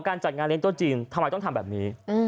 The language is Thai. จัดงานเลี้ยโต๊ะจีนทำไมต้องทำแบบนี้